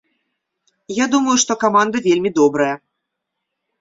Я думаю, што каманда вельмі добрая.